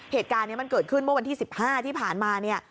เหตุการณ์นี้มันเกิดขึ้นเมื่อวันที่๑๕ที่ผ่านมาเนี่ย